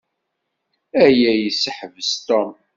Aya yesseḥbes Tom.